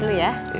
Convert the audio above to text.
gak penjelas ini